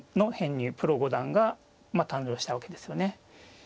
プロ五段が誕生したわけですよね。